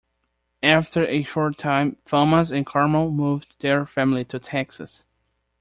After a short time, Thomas and Carmel moved their family to Texas.